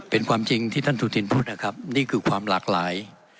เป็นความจริงที่ท่านสุธินพูดนะครับนี่คือความหลากหลาย